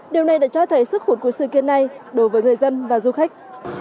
điều này đã cho thấy sức hút của sự kiện này đối với người dân và du khách